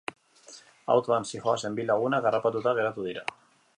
Autoan zihoazen bi lagunak harrapatuta geratu dira.